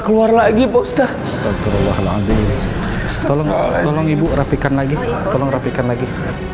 keluar lagi postat astagfirullahaladzim tolong tolong ibu rapikan lagi kalau rapikan lagi